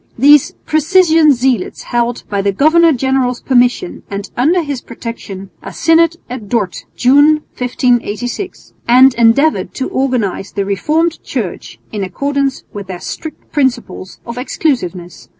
These "precisian" zealots held, by the governor general's permission and under his protection, a synod at Dort, June, 1586, and endeavoured to organise the Reformed Church in accordance with their strict principles of exclusiveness.